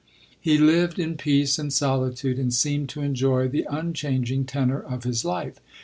lie lived in peace and solitude, and seemed to enjoy the unchanging tenor of his life.